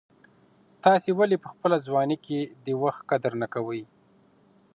تاسي ولي په خپله ځواني کي د وخت قدر نه کوئ؟